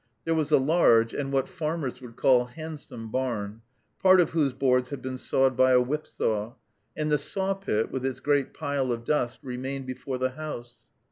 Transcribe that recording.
There was a large, and what farmers would call handsome, barn, part of whose boards had been sawed by a whip saw; and the saw pit, with its great pile of dust, remained before the house.